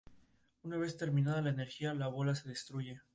Una vez terminada la energía, la bola se destruye.